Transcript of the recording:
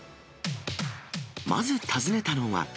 まず訪ねたのは。